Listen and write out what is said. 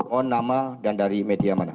on nama dan dari media mana